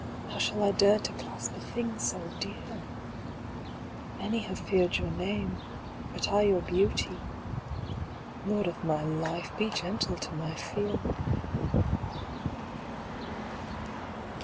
How shall I dare to clasp a thing so dear ? Many have feared your name, but I your beauty. Lord of my life, be gentle to my fear